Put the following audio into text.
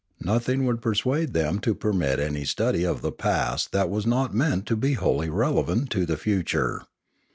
Nothing would persuade them to permit any study of the past that was not meant to be wholly relevant to the future.